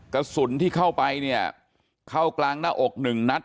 กระสุนที่เข้าไปเนี่ยเข้ากลางหน้าอกหนึ่งนัด